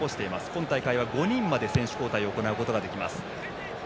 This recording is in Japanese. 今大会は５人まで選手交代を行うことができます。